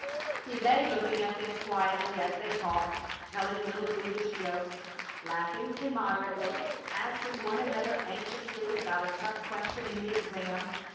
He lay looking at them quietly as they talked, telling little foolish jokes, laughing immoderately, asking one another anxiously about a tough question in the exam.